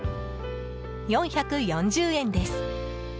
４４０円です。